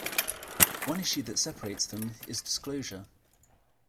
One issue that separates them is disclosure.